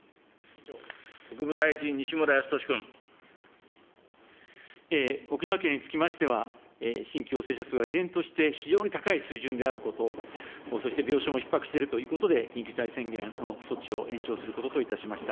国務大臣、沖縄県につきましては、新規陽性者数は依然として非常に高い水準であること、そして病床もひっ迫しているということで、緊急事態宣言の措置を延長することといたしました。